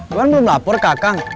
iwan belum lapor kak kang